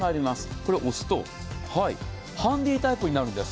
これを押すとハンディタイプになるんです。